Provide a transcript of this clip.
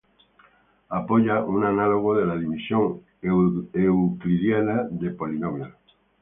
Apoya un análogo de la división euclidiana de polinomios.